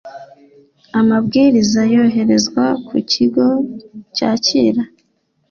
amabwiriza yoherezwa ku kigo cyakira